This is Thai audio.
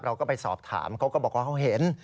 เราก็ไปสอบถามเขาก็บอกว่าเขาเห็น